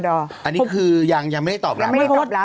ยังไม่ได้ตอบรับหรือเปล่ายังไม่ได้ตอบรับหรือเปล่า